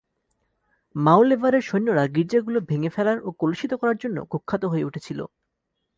মাউলেভারের সৈন্যরা গির্জাগুলো ভেঙে ফেলার ও কলুষিত করার জন্য কুখ্যাত হয়ে উঠেছিল।